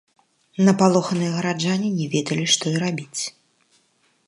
Напалоханыя гараджане не ведалі што і рабіць.